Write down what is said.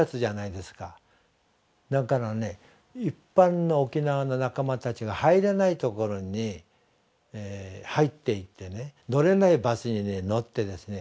一般の沖縄の仲間たちが入れないところに入っていって乗れないバスに乗ってですね